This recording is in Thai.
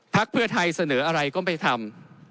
เพื่อไทยเสนออะไรก็ไม่ทำ